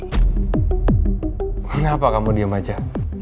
kenapa kamu diem aja